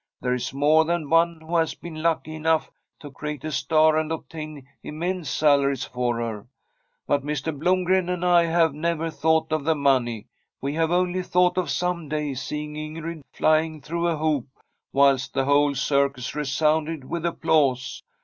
There is more than one who has been lucky enough to create a star and obtain immense salaries for her. But Mr. Blomgren and I have never thought of the money ; we have only thought of some day seeing Ingrid flying through a hoop whilst the whole circus re sounded with applause.